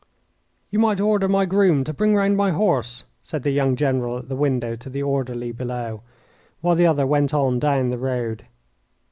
"You might order my groom to bring round my horse," said the young General at the window to the orderly below, while the other went on down the road.